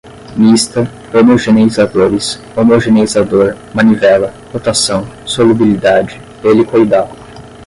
mista, homogeneizadores, homogeneizador, manivela, rotação, solubilidade, helicoidal